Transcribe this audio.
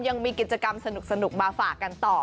ยังมีกิจกรรมสนุกมาฝากกันต่อ